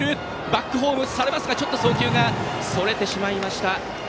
バックホームされますが送球がそれてしまいました。